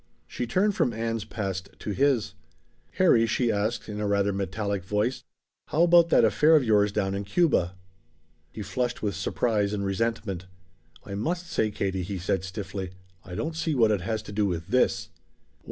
She turned from Ann's past to his. "Harry," she asked, in rather metallic voice, "how about that affair of yours down in Cuba?" He flushed with surprise and resentment. "I must say, Katie," he said stiffly, "I don't see what it has to do with this."